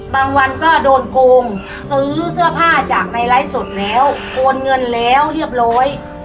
บางวันก็โดนโกงซื้อเสื้อผ้าจากในไลฟ์สดแล้วโอนเงินแล้วเรียบร้อย